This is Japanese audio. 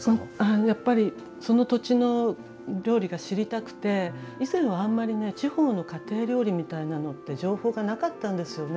やっぱりその土地の料理が知りたくて以前はあんまりね地方の家庭料理みたいなのって情報がなかったんですよね。